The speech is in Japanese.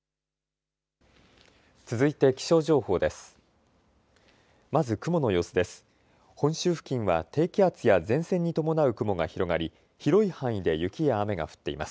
続いて気象情報です。